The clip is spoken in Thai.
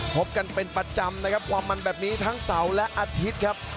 พบกันเป็นประจำนะครับความมันแบบนี้ทั้งเสาร์และอาทิตย์ครับ